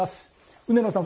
采野さん